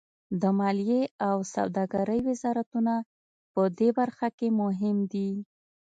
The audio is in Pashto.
د مالیې او سوداګرۍ وزارتونه پدې برخه کې مهم دي